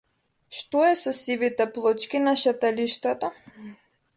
Што е со сивите плочки на шеталиштето?